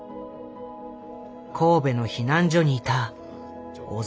神戸の避難所にいた小澤昌甲。